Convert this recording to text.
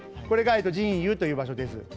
これが腎兪という場所です。